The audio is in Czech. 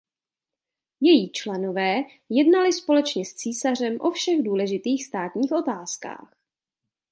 Její členové jednali společně s císařem o všech důležitých státních otázkách.